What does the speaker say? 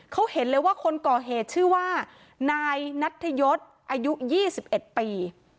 เขาเห็นเลยว่าคนก่อเหตุชื่อว่านายนัทยศอายุ๒๑ปี